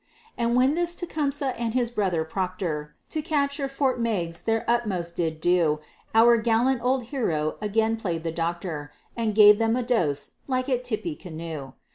And when this Tecumseh and his brother Proctor, To capture Fort Meigs their utmost did do; Our gallant old hero again play'd the Doctor, And gave them a dose like at Tippecanoe.